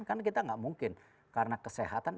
karena kita nggak mungkin karena kesehatan